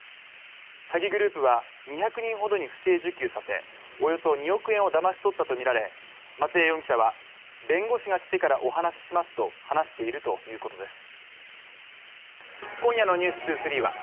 詐欺グループは２００人ほどに不正受給させ、およそ２億円をだまし取ったとみられ、松江容疑者は、弁護士が来てからお話しますと話しているということです。